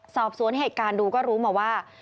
สอบสวนเหตุการณ์ดูก็รู้มาว่า